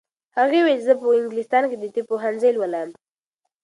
هغې وویل چې زه په انګلستان کې د طب پوهنځی لولم.